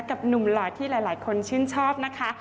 กับหนุ่มหล่อที่หลายคนชื่นชอบนะคะ